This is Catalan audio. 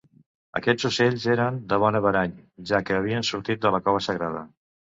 Aquests ocells eren de bon averany, ja que havien sortit de la cova sagrada.